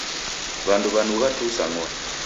W'andu w'anugha tuu sa ng'ondi.